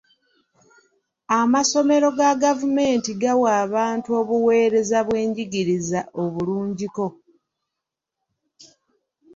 Amasomero ga gavumenti gawa abantu obuweereza bw'enjigiriza obulungiko.